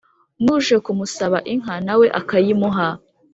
n'uje kumusaba inka nawe akayimuha,